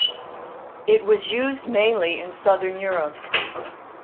It was used mainly in southern Europe.